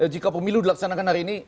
jika pemilu dilaksanakan hari ini